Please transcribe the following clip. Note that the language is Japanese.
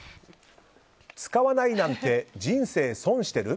使わないなんて人生損してる？